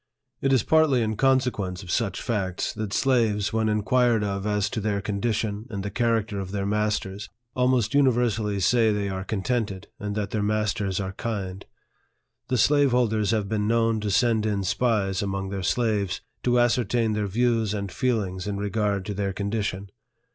It is partly in consequence of such facts, that slaves, when inquired of as to their condition and the charac ter of their masters, almost universally say they are contented, and that their masters are kind. The slave holders have been known to send in spies among their slaves, to ascertain their views and feelings in regard to their condition.